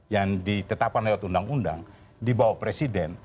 yang ditetapkan lewat undang undang dibawa presiden